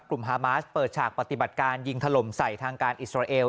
ฮามาสเปิดฉากปฏิบัติการยิงถล่มใส่ทางการอิสราเอล